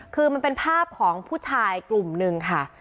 คือมันเป็นภาพของผู้ชายกลุ่มหนึ่งค่ะ